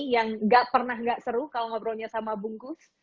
yang nggak pernah nggak seru kalau ngobrolnya sama bungkus